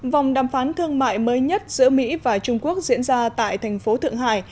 vòng đàm phán thường mạng mới nhất giữa mỹ và trung quốc diễn ra tại thành phố thượng hải